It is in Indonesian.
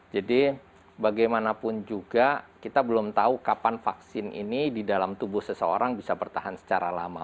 jadi bagaimanapun juga kita belum tahu kapan vaksin ini di dalam tubuh seseorang bisa bertahan secara lama